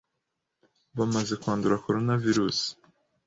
bamaze kwandura Corona virus